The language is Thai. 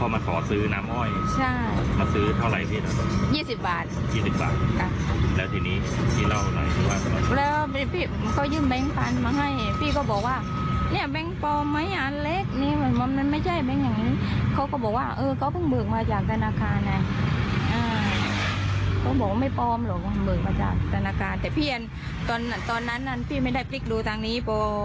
มีหมึกมาจากธนการณ์แต่พี่เอ็นตอนนั้นพี่ไม่ได้พลิกดูทางนี้